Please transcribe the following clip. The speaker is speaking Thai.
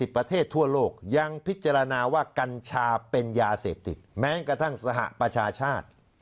ประเทศทั่วโลกยังพิจารณาว่ากัญชาเป็นยาเสพติดแม้กระทั่งสหประชาชาติ